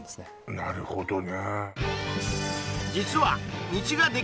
なるほどね